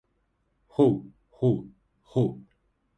ほうほうほう